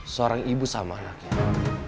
seorang ibu sama anaknya